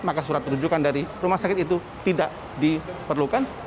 maka surat rujukan dari rumah sakit itu tidak diperlukan